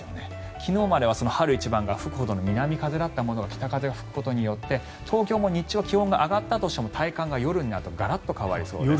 昨日までは春一番が吹くほどの南風だったものが北風が吹くことで東京、日中気温が上がっても体感が夜になるとガラッと変わります。